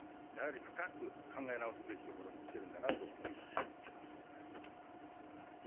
深く考え直すべきところに来てるんだなと思います。